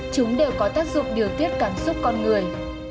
chúng đều có tác dụng điều tiết cảm xúc con người